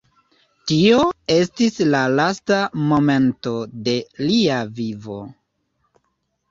Tio estis la lasta momento de lia vivo.